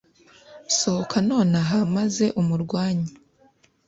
sohoka noneho maze umurwanye